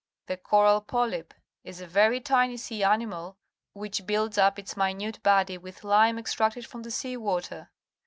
The coral polyp is a very tiny sea animal, which builds up its minute body with lime extracted from the sea water.